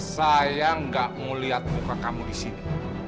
saya gak mau lihat muka kamu disini